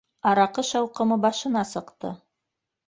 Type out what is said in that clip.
Араҡы шауҡымы башына сыҡты